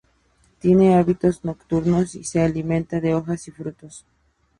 Tiene hábitos nocturnos y se alimenta de hojas y frutos.